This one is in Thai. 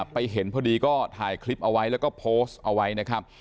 ไปเห็นพอดีก็ถ่ายคลิปเอาไว้แล้วก็โพสต์เอาไว้นะครับ